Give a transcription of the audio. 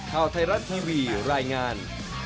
ข่าวไทยรัฐทีวีรายงาน